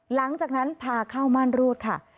หลังจากนั้นพาเข้าม่านรูดค่ะ